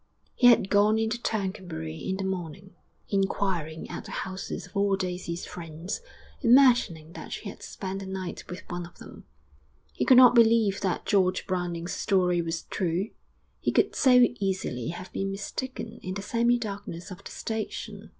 He had gone into Tercanbury in the morning, inquiring at the houses of all Daisy's friends, imagining that she had spent the night with one of them. He could not believe that George Browning's story was true, he could so easily have been mistaken in the semi darkness of the station.